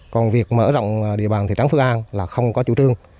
còn việc mở rộng địa bàn thủy trắng phước an là không có chủ trương